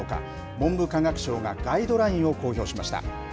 文部科学省がガイドラインを公表しました。